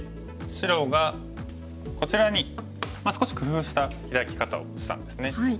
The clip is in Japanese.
白がこちらに少し工夫したヒラキ方をしたんですね。